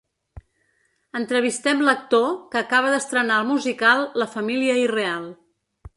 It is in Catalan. Entrevistem l’actor , que acaba d’estrenar el musical ‘La família irreal’.